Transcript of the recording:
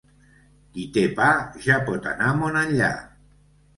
Qui té pa ja pot anar món enllà.